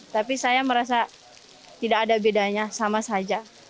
tapi saya merasa tidak ada bedanya sama saja